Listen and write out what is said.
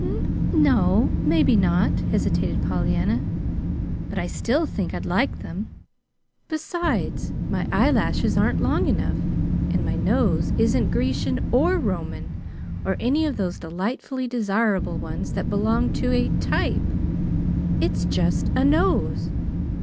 "N no, maybe not," hesitated Pollyanna. "But I still think I'd like them. Besides, my eyelashes aren't long enough, and my nose isn't Grecian, or Roman, or any of those delightfully desirable ones that belong to a 'type.' It's just NOSE.